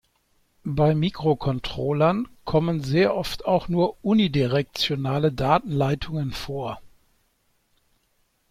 Bei Mikrocontrollern kommen sehr oft auch nur unidirektionale Datenleitungen vor.